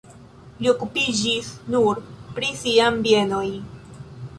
Li okupiĝis nur pri sian bienoj.